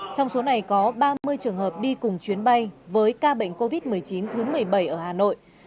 trong số này có ba mươi trường hợp đi cùng chuyến bay với ca bệnh covid một mươi chín thứ một mươi bảy ở hà nội